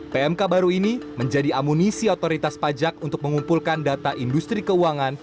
pmk baru ini menjadi amunisi otoritas pajak untuk mengumpulkan data industri keuangan